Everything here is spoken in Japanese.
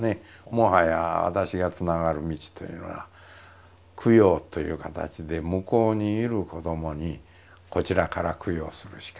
もはや私がつながる道というのは供養という形で向こうにいる子どもにこちらから供養するしかない。